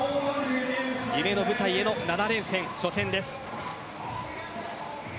夢の舞台への７連戦初戦です。